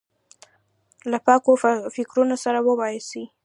له پاکو فکرونو سره واوسي.